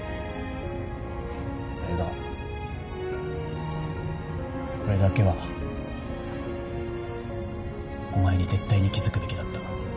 俺が俺だけはお前に絶対に気付くべきだった。